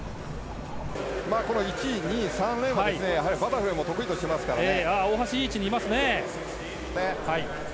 この１、２、３レーンは、やはりバタフライも得意としてますからね。